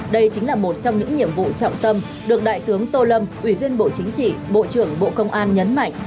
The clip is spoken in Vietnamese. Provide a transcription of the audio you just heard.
đây chính là một trong những nhiệm vụ trọng tâm được đại tướng tô lâm ủy viên bộ chính trị bộ trưởng bộ công an nhấn mạnh